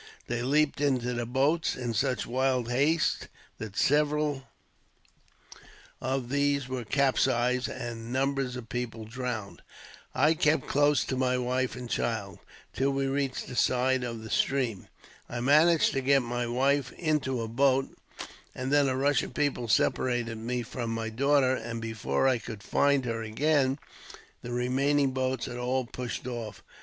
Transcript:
They leaped into the boats in such wild haste that several of these were capsized, and numbers of people drowned. I kept close to my wife and child, till we reached the side of the stream. I managed to get my wife into a boat, and then a rush of people separated me from my daughter; and before I could find her again, the remaining boats had all pushed off.